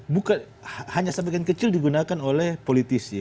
bukan hanya sebagian kecil digunakan oleh politisi